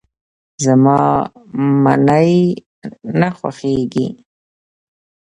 زما منی نه خوښيږي.